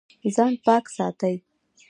ځان پاک ساتئ